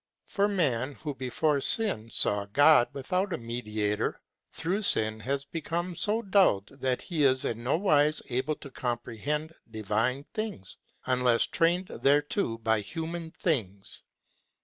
For man, who before sin saw God without a mediator, through sin has became so dulled that he is in no wise able to comprehend divine things, unless trained thereto by human things.